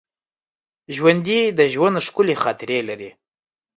ژوندي د ژوند ښکلي خاطرې لري